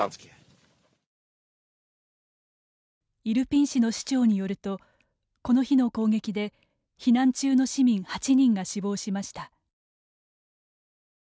イルピン市の市長によるとこの日の攻撃で避難中の市民８人が死亡しました。